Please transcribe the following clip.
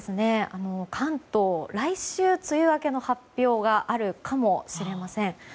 関東は来週、梅雨明けの発表があるかもしれません。